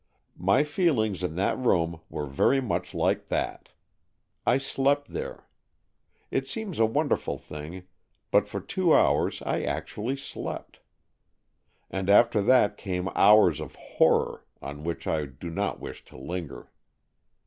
My feelings in that room were very much like that. I slept there. It seems a wonderful thing, but for two hours I actually slept. And after that came hours of horror, on which I do not wish to linger.